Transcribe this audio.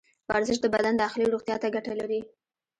ورزش د بدن داخلي روغتیا ته ګټه لري.